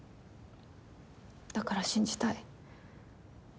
だから信じたい。